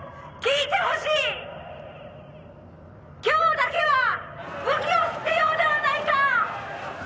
「今日だけは武器を捨てようではないか！」